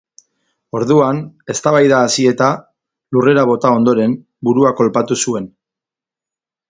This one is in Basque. Orduan, eztabaida hasi eta, lurrera bota ondoren, buruan kolpatu zuen.